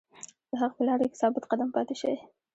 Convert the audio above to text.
د حق په لاره کې ثابت قدم پاتې شئ.